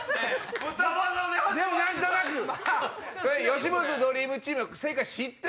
吉本ドリームチームは。